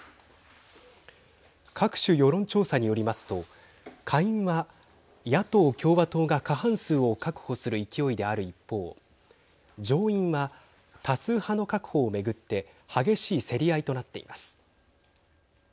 各種、世論調査によりますと下院は野党・共和党が過半数を確保する勢いである一方上院は多数派の確保を巡って激しい競り合いとなっています。